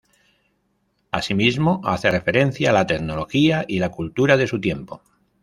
Asimismo, hace referencia a la tecnología y la cultura de su tiempo.